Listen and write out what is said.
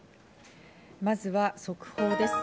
まずは速報です。